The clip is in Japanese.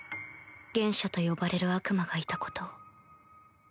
原初と呼ばれる悪魔がいたことを